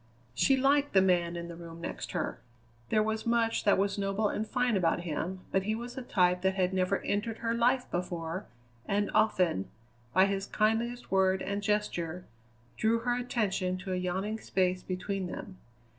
She liked the man in the room next her. There was much that was noble and fine about him, but he was a type that had never entered her life before, and often, by his kindliest word and gesture, drew her attention to a yawning space between them.